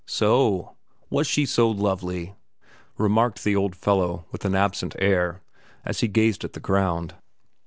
"So o; was she so lovely?" remarked the old fellow, with an absent air, as he gazed at the ground.